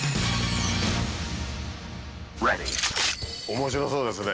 面白そうですね。